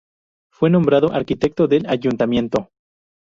Fue nombrado arquitecto del Ayuntamiento.